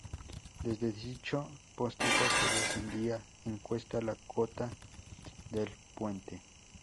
Desde dicho postigo se descendía en cuesta a la cota del puente.